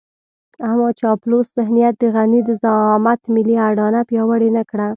اما چاپلوس ذهنيت د غني د زعامت ملي اډانه پياوړې نه کړه.